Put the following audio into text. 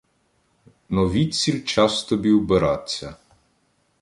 Но відсіль час тобі вбираться